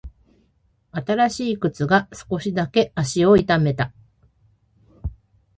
新しい靴が少しだけ足を痛めた。